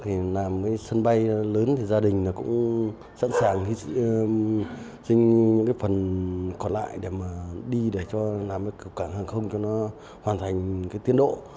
làm sân bay lớn thì gia đình cũng sẵn sàng xin những phần còn lại để đi làm cảng hàng không cho nó hoàn thành tiến độ